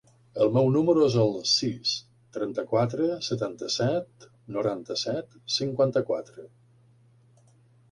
El meu número es el sis, trenta-quatre, setanta-set, noranta-set, cinquanta-quatre.